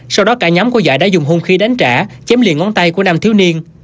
sau đó cả nhóm của giải đã dùng hung khí đánh trả chém liền ngón tay của nam thiếu niên